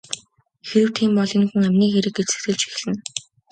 Хэрэв тийм бол энэ хүн амины хэрэг гэж сэжиглэж эхэлнэ.